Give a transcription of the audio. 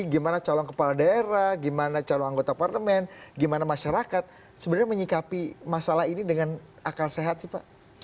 gimana calon kepala daerah gimana calon anggota parlemen gimana masyarakat sebenarnya menyikapi masalah ini dengan akal sehat sih pak